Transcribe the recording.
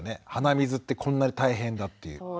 鼻水ってこんなに大変だという。